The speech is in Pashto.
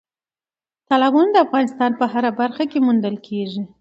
تالابونه د افغانستان په هره برخه کې موندل کېږي.